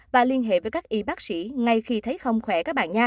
và liên hệ với các y bác sĩ ngay khi thấy không khỏe các bà nha